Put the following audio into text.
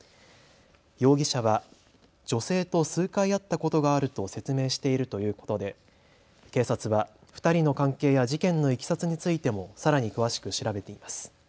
容疑者は女性と数回会ったことがあると説明しているということで警察は２人の関係や事件のいきさつについてもさらに詳しく調べています。